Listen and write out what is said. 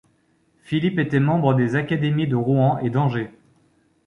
Philippe était membre des Académies de Rouen et d’Angers.